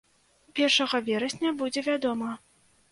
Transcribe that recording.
Першага верасня будзе вядома.